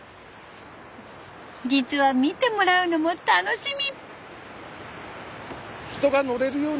実は見てもらうのも楽しみ。